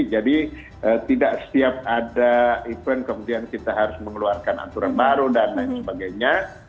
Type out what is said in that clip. jadi tidak setiap ada event kemudian kita harus mengeluarkan aturan baru dan lain sebagainya